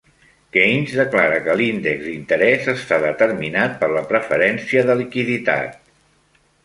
Keynes declara que l"índex d"interès està determinat per la preferència de liquiditat.